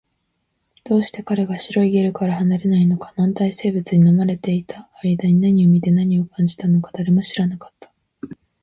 どうして彼が白いゲルから離れないのか、軟体生物に飲まれていた間に何を見て、何を感じたのか、誰も知らなかった